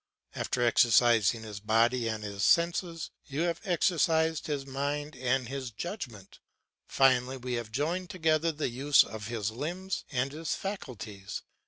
After exercising his body and his senses you have exercised his mind and his judgment. Finally we have joined together the use of his limbs and his faculties.